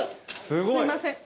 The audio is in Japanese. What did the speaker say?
すいません。